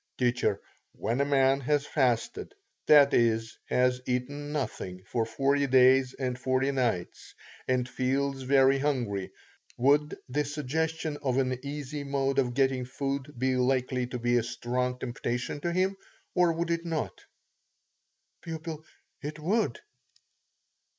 T. When a man has fasted, that is, has eaten nothing, for forty days and forty nights, and feels very hungry, would the suggestion of an easy mode of getting food be likely to be a strong temptation to him, or would it not? P. It would.